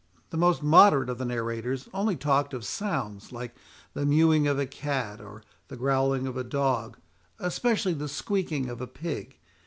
The most moderate of the narrators only talked of sounds like the mewing of a cat, or the growling of a dog, especially the squeaking of a pig.